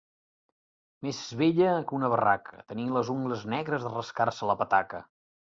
Més vella que una barraca, tenia les ungles negres de rascar-se la petaca.